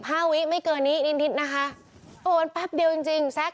ห้าวิไม่เกินนี้นิดนะคะโอ้มันแป๊บเดียวจริงจริงซัก